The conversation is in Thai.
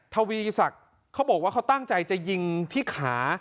ทวีศักดิ์เขาบอกว่าเขาตั้งใจจะยิงที่ขา